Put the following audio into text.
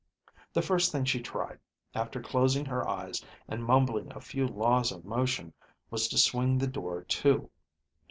The first thing she tried, after closing her eyes and mumbling a few laws of motion, was to swing the door to.